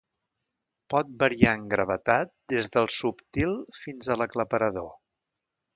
Pot variar en gravetat des del subtil fins a l'aclaparador.